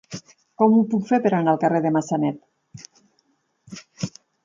Com ho puc fer per anar al carrer de Massanet?